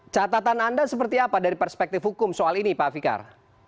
catatan anda seperti apa dari perspektif hukum soal ini pak fikar